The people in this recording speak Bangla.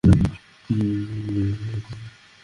মার্টিনেজ, পেছনের দিকে যাও।